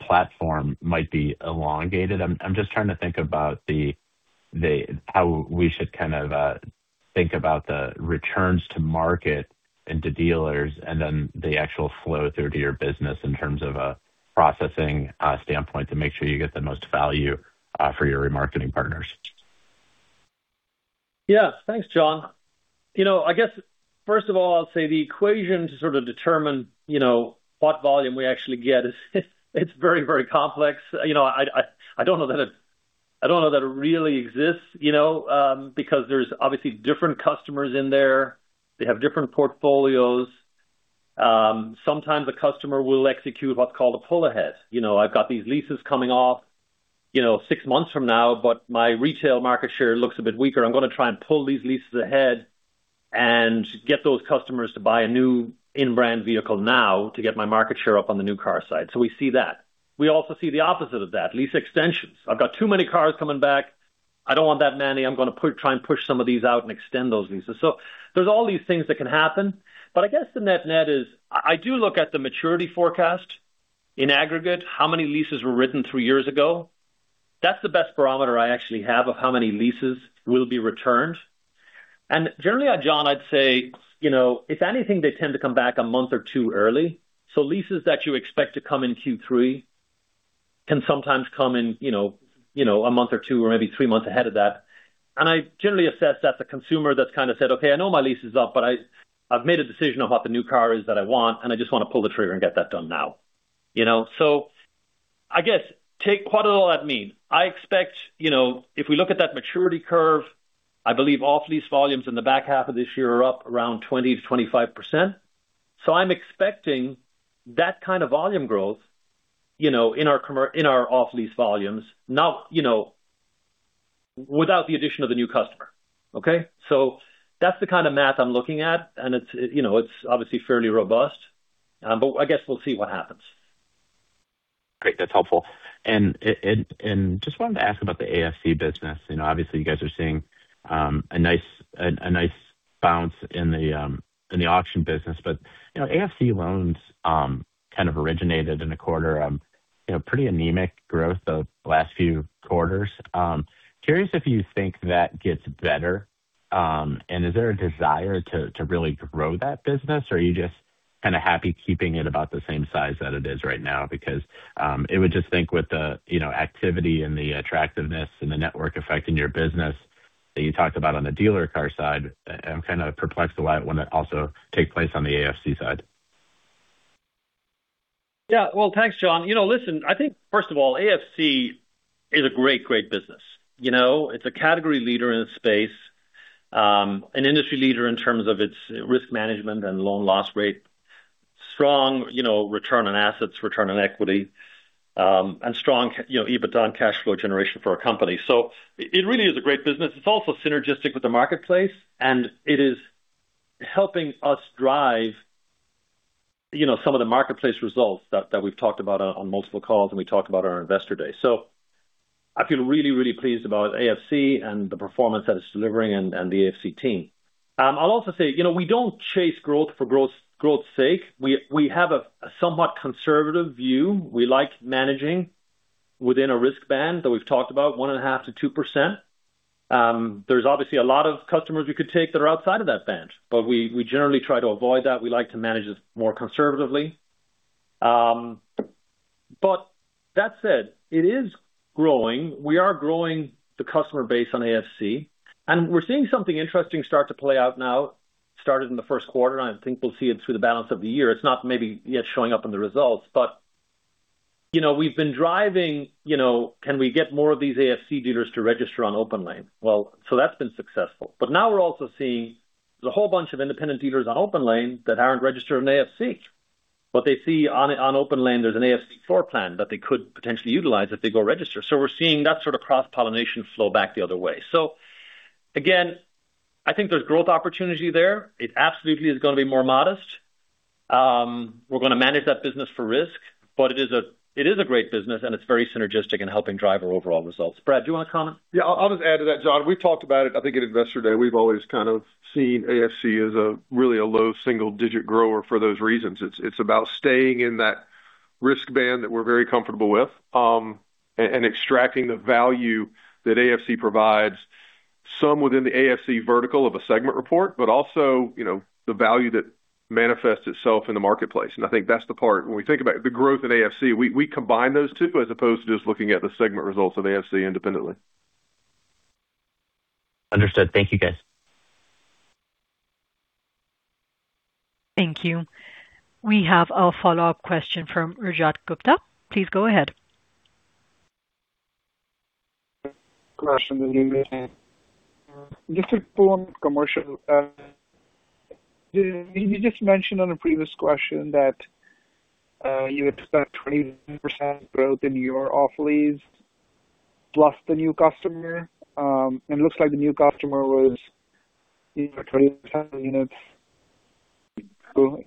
platform might be elongated. I'm just trying to think about the how we should kind of think about the returns to market and to dealers and then the actual flow through to your business in terms of a processing standpoint to make sure you get the most value for your remarketing partners. Yeah. Thanks, John. You know, I guess first of all, I'll say the equation to sort of determine, you know, what volume we actually get is it's very, very complex. You know, I don't know that it really exists, you know, because there's obviously different customers in there. They have different portfolios. Sometimes a customer will execute what's called a pull ahead. You know, I've got these leases coming off, you know, six months from now, but my retail market share looks a bit weaker. I'm gonna try and pull these leases ahead and get those customers to buy a new in-brand vehicle now to get my market share up on the new car side. We see that. We also see the opposite of that, lease extensions. I've got too many cars coming back. I don't want that many. I'm gonna try and push some of these out and extend those leases. There's all these things that can happen. I guess the net-net is I do look at the maturity forecast in aggregate, how many leases were written three years ago. That's the best barometer I actually have of how many leases will be returned. Generally, John, I'd say, you know, if anything, they tend to come back a month or two early. Leases that you expect to come in Q3 can sometimes come in, you know, one month or two or maybe three months ahead of that. I generally assess that's a consumer that's kinda said, "Okay, I know my lease is up, but I've made a decision on what the new car is that I want, and I just wanna pull the trigger and get that done now." You know? What does all that mean? I expect, you know, if we look at that maturity curve, I believe off-lease volumes in the back half of this year are up around 20%-25%. I'm expecting that kind of volume growth, you know, in our off-lease volumes, not, you know, without the addition of the new customer. Okay? That's the kind of math I'm looking at, and it's, you know, it's obviously fairly robust. I guess we'll see what happens. Great. That's helpful. Just wanted to ask about the AFC business. You know, obviously you guys are seeing a nice bounce in the auction business. You know, AFC loans kind of originated in a quarter of, you know, pretty anemic growth the last few quarters. Curious if you think that gets better, and is there a desire to really grow that business? Are you just kinda happy keeping it about the same size that it is right now? It would just think with the, you know, activity and the attractiveness and the network effect in your business that you talked about on the dealer car side, I'm kinda perplexed why it wouldn't also take place on the AFC side. Thanks, John. You know, listen, I think first of all, AFC is a great business. You know, it's a category leader in its space, an industry leader in terms of its risk management and loan loss rate. Strong, you know, return on assets, return on equity, and strong you know, EBITDA and cash flow generation for our company. It really is a great business. It's also synergistic with the marketplace, and it is helping us drive, you know, some of the marketplace results that we've talked about on multiple calls and we talked about on our Investor Day. I feel really, really pleased about AFC and the performance that it's delivering and the AFC team. I'll also say, you know, we don't chase growth for growth's sake. We have a somewhat conservative view. We like managing within a risk band that we've talked about, 1.5%-2%. There's obviously a lot of customers we could take that are outside of that band, we generally try to avoid that. We like to manage it more conservatively. That said, it is growing. We are growing the customer base on AFC, we're seeing something interesting start to play out now. Started in the first quarter, I think we'll see it through the balance of the year. It's not maybe yet showing up in the results, you know, we've been driving, you know, can we get more of these AFC dealers to register on OPENLANE? That's been successful. Now we're also seeing there's a whole bunch of independent dealers on OPENLANE that aren't registered on AFC. What they see on OPENLANE, there's an AFC floor plan that they could potentially utilize if they go register. We're seeing that sort of cross-pollination flow back the other way. Again, I think there's growth opportunity there. It absolutely is gonna be more modest. We're gonna manage that business for risk, but it is a great business, and it's very synergistic in helping drive our overall results. Brad, do you wanna comment? I'll just add to that, John. We've talked about it, I think at Investor Day. We've always kind of seen AFC as a really a low single-digit grower for those reasons. It's about staying in that risk band that we're very comfortable with, and extracting the value that AFC provides, some within the AFC vertical of a segment report, but also, you know, the value that manifests itself in the marketplace, and I think that's the part. When we think about the growth at AFC, we combine those two as opposed to just looking at the segment results of AFC independently. Understood. Thank you, guys. Thank you. We have a follow-up question from Rajat Gupta. Please go ahead. Question. [inaudible] Just to follow on commercial, you just mentioned on a previous question that you expect 20% growth in your off-lease plus the new customer. It looks like the new customer was, you know, 20% units.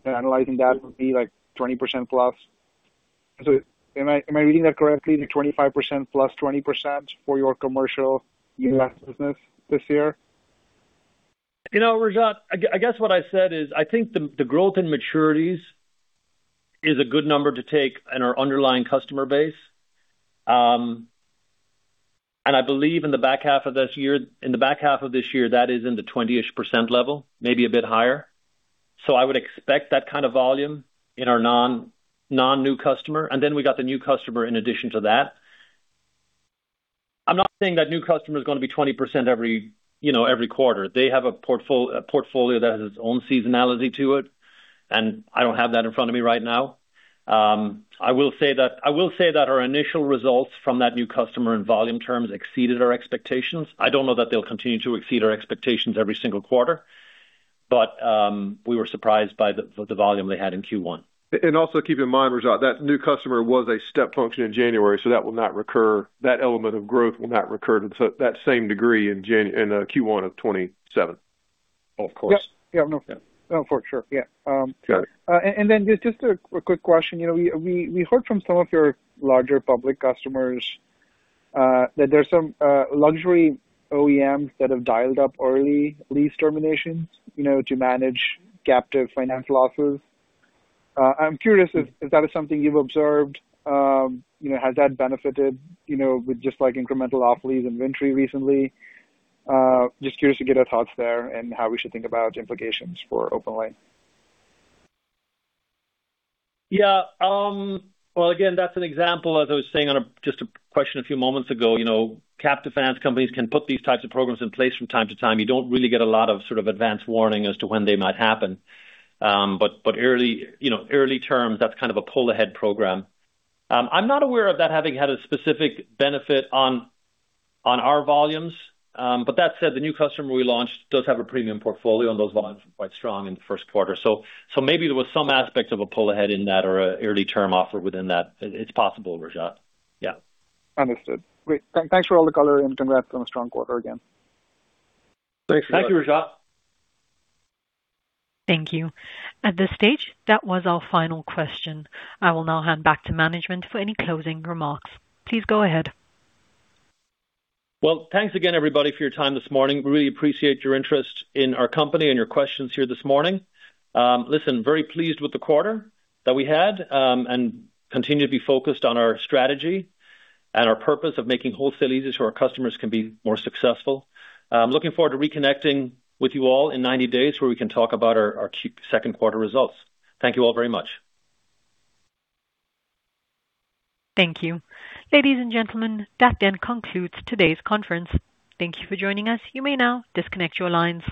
Analyzing that would be like 20%+. Am I reading that correctly? The 25% plus 20% for your commercial business this year? You know, Rajat, I guess what I said is, I think the growth in maturities is a good number to take in our underlying customer base. I believe in the back half of this year, that is in the 20%-ish level, maybe a bit higher. I would expect that kind of volume in our non-new customer, we got the new customer in addition to that. I'm not saying that new customer is gonna be 20% every, you know, every quarter. They have a portfolio that has its own seasonality to it, I don't have that in front of me right now. I will say that our initial results from that new customer in volume terms exceeded our expectations. I don't know that they'll continue to exceed our expectations every single quarter, but, we were surprised by the volume they had in Q1. Also keep in mind, Rajat, that new customer was a step function in January, so that will not recur. That element of growth will not recur to that same degree in Q1 of 2027. Of course. Yeah. Yeah, no. Yeah. No, for sure. Yeah. Sure. Then just a quick question. You know, we heard from some of your larger public customers, that there's some luxury OEMs that have dialed up early lease terminations, you know, to manage captive financial offers. I'm curious if that is something you've observed. You know, has that benefited, you know, with just like incremental off-lease inventory recently? Just curious to get your thoughts there and how we should think about implications for OPENLANE. Yeah. Well, again, that's an example, as I was saying on a question a few moments ago. You know, captive finance companies can put these types of programs in place from time to time. You don't really get a lot of sort of advanced warning as to when they might happen. But early, you know, early terms, that's kind of a pull-ahead program. I'm not aware of that having had a specific benefit on our volumes. But that said, the new customer we launched does have a premium portfolio, and those volumes were quite strong in the first quarter. Maybe there was some aspect of a pull-ahead in that or a early term offer within that. It's possible, Rajat. Yeah. Understood. Great. Thanks for all the color and congrats on a strong quarter again. Thanks, Rajat. Thank you, Rajat. Thank you. At this stage, that was our final question. I will now hand back to management for any closing remarks. Please go ahead. Well, thanks again, everybody, for your time this morning. Really appreciate your interest in our company and your questions here this morning. Listen, very pleased with the quarter that we had and continue to be focused on our strategy and our purpose of making wholesale easier so our customers can be more successful. I'm looking forward to reconnecting with you all in 90 days, where we can talk about our second quarter results. Thank you all very much. Thank you. Ladies and gentlemen, that then concludes today's conference. Thank you for joining us. You may now disconnect your lines.